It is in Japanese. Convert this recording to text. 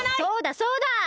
そうだそうだ！